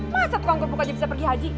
masa tuh kongkot buka aja bisa pergi haji